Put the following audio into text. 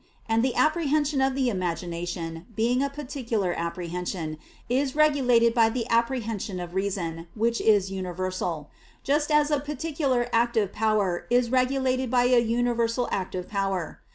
And the apprehension of the imagination, being a particular apprehension, is regulated by the apprehension of reason, which is universal; just as a particular active power is regulated by a universal active power.